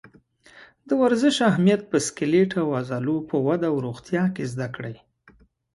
د ورزش اهمیت په سکلیټ او عضلو په وده او روغتیا کې زده کړئ.